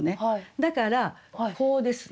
だからこうですね。